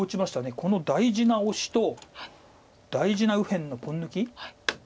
この大事なオシと大事な右辺のポン抜き。